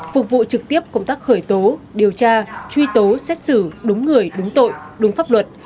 phục vụ trực tiếp công tác khởi tố điều tra truy tố xét xử đúng người đúng tội đúng pháp luật